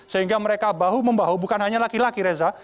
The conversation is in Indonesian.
sehingga mereka bahu membahu bukan hanya laki laki reza